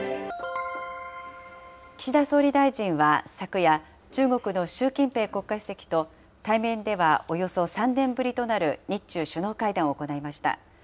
岸田総理大臣は昨夜、中国の習近平国家主席と、対面ではおよそ３年ぶりとなる日中首脳会談を行いました。